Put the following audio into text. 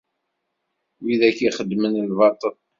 Wid akk ixeddmen lbaṭel.